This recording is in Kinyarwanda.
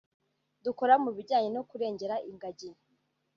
Dukora mu bijyanye no kurengera ingagi